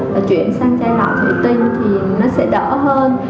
và chuyển sang chai lọ thủy tinh thì nó sẽ đỡ hơn